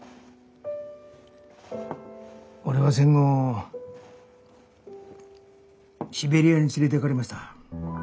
俺は戦後シベリアに連れていかれました。